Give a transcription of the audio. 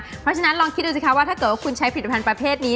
เพราะฉะนั้นลองคิดดูสิคะว่าถ้าเกิดว่าคุณใช้ผลิตภัณฑ์ประเภทนี้